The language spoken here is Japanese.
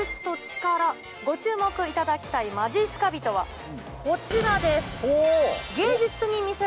ご注目いただきたいまじっすか人はこちらです。